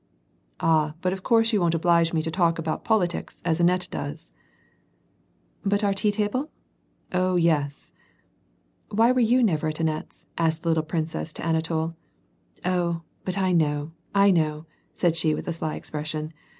Ah, but of course you wou*t oblige me to talk about poli tics as Annette does !"" But our tea table ?"« Oh, yes I "" Why were you never at Annette's ?" asked the little princess, of Anatol. " Oh ! but I know, I know," said i lio, with a sly expression.